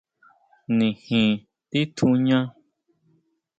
Nijin titjuñá.